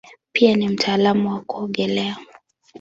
Pia ni mtaalamu wa kuogelea.